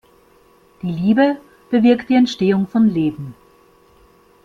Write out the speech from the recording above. Die Liebe bewirkt die Entstehung von Leben.